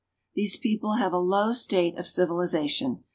^^H These people have a low state of civilization.